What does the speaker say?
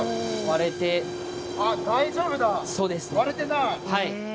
・割れてあっ大丈夫だ！